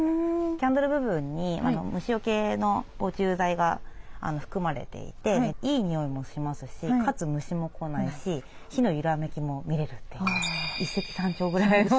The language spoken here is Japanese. キャンドル部分に虫よけの防虫剤が含まれていていい匂いもしますしかつ虫も来ないし火の揺らめきも見れるという一石三鳥ぐらいの。